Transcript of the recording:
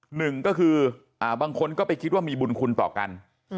หนึ่งก็คือบางคนก็ไปคิดว่ามีบุญคุณต่อกัน